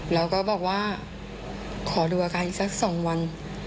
เราก็บอกว่าขอดูอาการอีกสักสองวัน